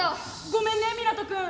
ごめんね湊斗君。